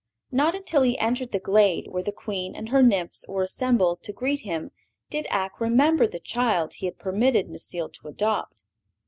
Not until he entered the glade where the Queen and her nymphs were assembled to greet him did Ak remember the child he had permitted Necile to adopt.